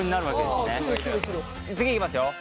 次いきますよ。